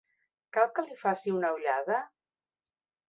Cal que li faci una ullada?